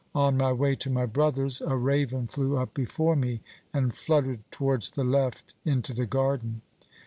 On my way to my brother's a raven flew up before me and fluttered towards the left into the garden."